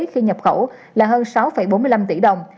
khi nhập khẩu là hơn sáu bốn mươi năm tỷ đồng